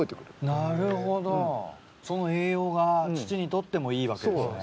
なるほどその栄養が土にとってもいいわけですね。